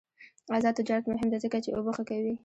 آزاد تجارت مهم دی ځکه چې اوبه ښه کوي.